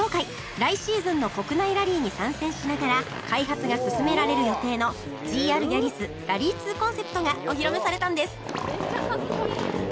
来シーズンの国内ラリーに参戦しながら開発が進められる予定の ＧＲ ヤリス Ｒａｌｌｙ２ コンセプトがお披露目されたんです